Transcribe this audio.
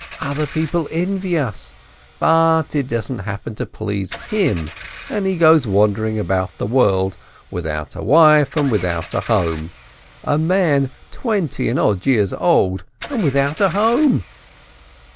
Other people envy us, but it doesn't happen to please him, and he goes wandering about the world — without a wife and without a home — a man twenty and odd years old, and without a home